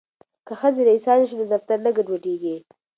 که ښځې ریسانې شي نو دفتر نه ګډوډیږي.